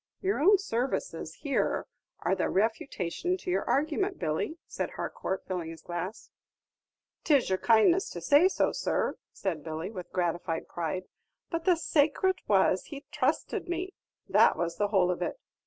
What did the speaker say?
"Your own services here are the refutation to your argument, Billy," said Harcourt, filling his glass. "'Tis your kindness to say so, sir," said Billy, with gratified pride; "but the sacrat was, he thrusted me, that was the whole of it.